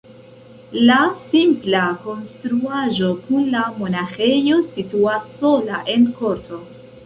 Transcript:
La simpla konstruaĵo kun la monaĥejo situas sola en korto.